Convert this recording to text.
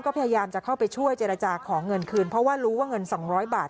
ก็พยายามจะเข้าไปช่วยเจรจาขอเงินคืนเพราะว่ารู้ว่าเงิน๒๐๐บาท